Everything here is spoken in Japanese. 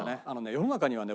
世の中にはね